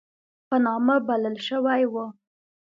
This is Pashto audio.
په نامه بلل شوی وو.